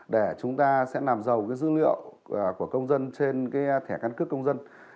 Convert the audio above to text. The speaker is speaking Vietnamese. để chúng ta sẽ làm giàu dữ liệu của công dân trên thẻ căng cước công dân